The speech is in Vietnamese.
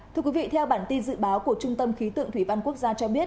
thưa quý vị theo bản tin dự báo của trung tâm khí tượng thủy văn quốc gia cho biết